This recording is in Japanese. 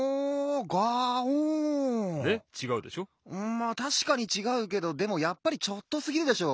まったしかにちがうけどでもやっぱりちょっとすぎるでしょ。